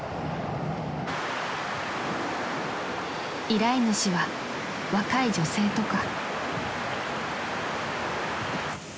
［依頼主は若い女性とか］